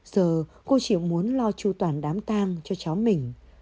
giờ cô chỉ muốn lo tru toản đám tang cho cháu mình